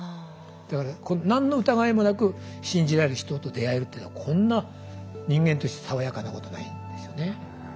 だから何の疑いもなく信じられる人と出会えるっていうのはこんな人間として爽やかなことないんですよね。